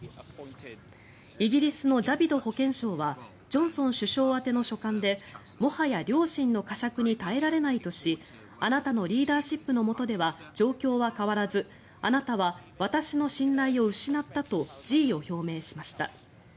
イギリスのジャビド保健相はジョンソン首相宛ての書簡でもはや良心のかしゃくに耐えられないとしあなたのリーダーシップのもとでは状況は変わらずあなたは私の信頼を失ったと辞意を表明しました。